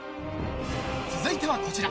続いては、こちら。